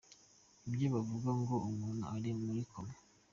nibyo bavuga ngo umuntu ari muri coma.